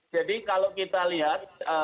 jadi kalau kita lihat